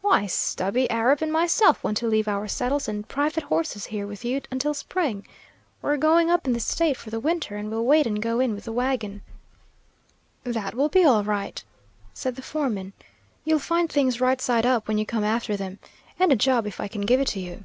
"Why, Stubby, Arab, and myself want to leave our saddles and private horses here with you until spring. We're going up in the State for the winter, and will wait and go in with the wagon." "That will be all right," said the foreman. "You'll find things right side up when you come after them, and a job if I can give it to you."